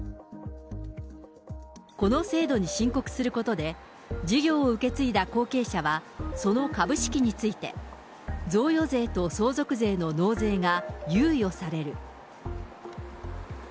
この制度に申告することで、事業を受け継いだ後継者は、その株式について、贈与税と相続税の納税が猶予される。